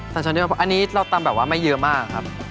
ใส่ช้อนเดียวเพราะอันนี้เราตำแบบว่าไม่เยอะมากครับ